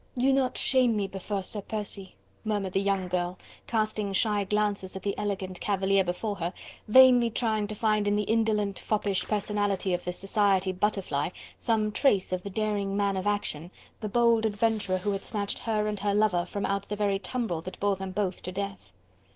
"Do not shame me before Sir Percy," murmured the young girl, casting shy glances at the elegant cavalier before her, vainly trying to find in the indolent, foppish personality of this society butterfly, some trace of the daring man of action, the bold adventurer who had snatched her and her lover from out the very tumbril that bore them both to death.